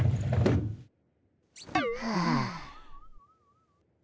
はあ。